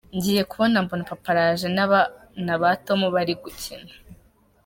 Ngiye kubona, mbona papa araje, n’abana ba Tom bari gukina.